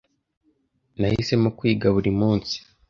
Nahisemo kwiga buri munsi.